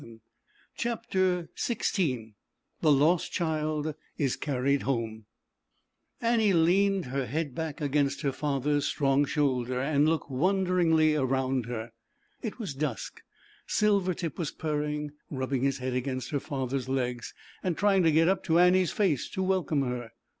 16 Chapter XVI The Lost Child is Carried Home mm\ V nine LEANED her head back against her father's strong shoulder and looked wonder ingly around her. It was dusk. Silvertip was purring, rubbing his head against her father's legs, and trying to get up to Annie's face to wel come her.